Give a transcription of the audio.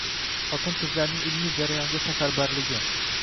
Xotin-qizlarning ilmiy jarayonga safarbarligi